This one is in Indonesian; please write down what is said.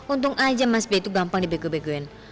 untung aja mas b itu gampang dibego begoin